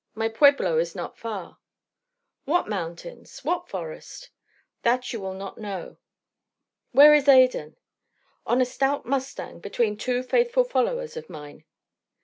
My pueblo is not far." "What mountains? What forest?" "That you will not know." "Where is Adan?" "On a stout mustang between two faithful followers of mine."